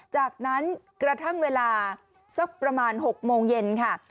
จากนั้นกระทั่งเวลาสักประมาณ๖โมงเย็นค่ะ